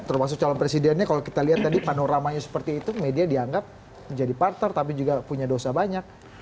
termasuk calon presidennya kalau kita lihat tadi panoramanya seperti itu media dianggap menjadi partner tapi juga punya dosa banyak